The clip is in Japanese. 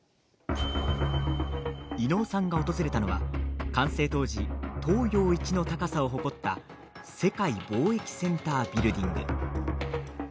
伊野尾さんが訪れたのは完成当時東洋一の高さを誇った世界貿易センタービルディング。